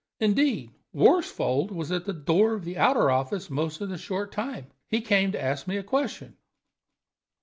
Indeed, Worsfold was at the door of the outer office most of the short time. He came to ask me a question."